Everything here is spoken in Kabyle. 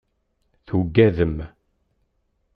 Tuggadem.